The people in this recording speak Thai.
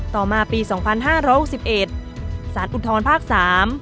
ต่อมาปีสองพันห้าร้อยห้าร้อยสิบเอ็ดศาสตร์อุทธรรมภาคสาม